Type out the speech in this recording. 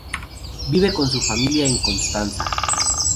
Vive con su familia en Constanza.